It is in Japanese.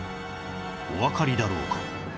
おわかりだろうか？